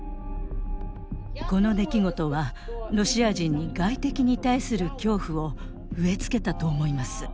この出来事はロシア人に外敵に対する恐怖を植え付けたと思います。